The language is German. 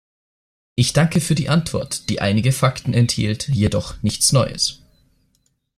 Ich danke für die Antwort, die einige Fakten enthielt, jedoch nichts Neues.